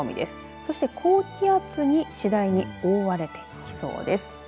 そして、高気圧に次第に覆われていきそうです。